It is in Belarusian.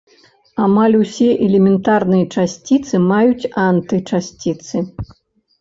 Амаль усе элементарныя часціцы маюць антычасціцы.